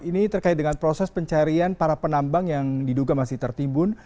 ini terkait dengan proses pencarian para penambang yang diduga masih tertimbun